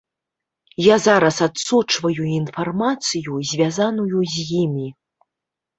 Я зараз адсочваю інфармацыю, звязаную з імі.